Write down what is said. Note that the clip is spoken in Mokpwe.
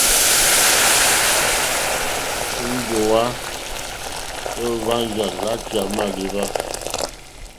Íŋgòwá íhwáŋgà lǎkèyà mâlíwà.